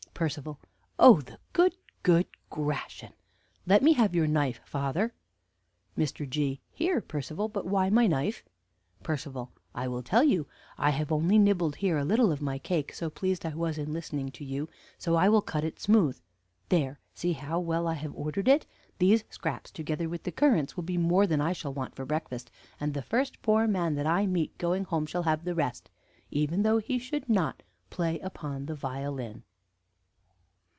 Percival. Oh, the good, good Gratian! Let me have your knife, father. Mr. G. Here, Percival; but why my knife? Percival. I will tell you. I have only nibbled here a little of my cake, so pleased I was in listening to you! So I will cut it smooth. There, see how well I have ordered it! These scraps, together with the currants, will be more than I shall want for breakfast; and the first poor man that I meet going home shall have the rest, even though he should not play upon the violin.